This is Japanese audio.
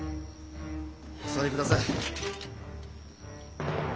お座りください。